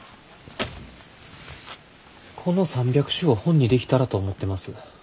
この３００首を本にできたらと思ってます。